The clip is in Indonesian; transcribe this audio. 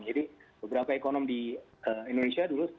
jadi beberapa ekonom di indonesia dulu